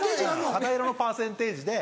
肌色のパーセンテージで。